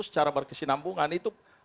secara berkesinambungan itu